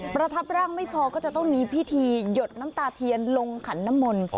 ประทับร่างไม่พอก็จะต้องมีพิธีหยดน้ำตาเทียนลงขันน้ำมนต์